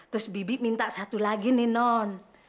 terus bibi minta satu lagi nih non